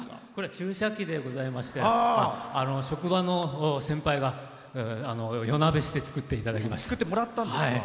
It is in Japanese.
注射器でございまして職場の先輩が夜なべして作っていただきました。